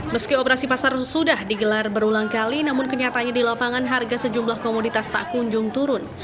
meski operasi pasar sudah digelar berulang kali namun kenyataannya di lapangan harga sejumlah komoditas tak kunjung turun